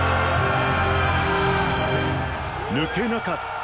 「抜けなかった」